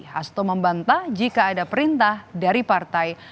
hasto membantah jika ada perintah dari partai